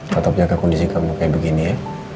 tetap jaga kondisi kamu kayak begini ya